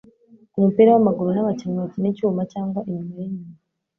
Mu mupira wamaguru, nabakinnyi bakina inyuma cyangwa inyuma yinyuma